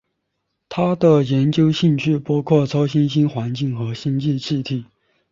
他的研究兴趣包括超新星环境和星际气体。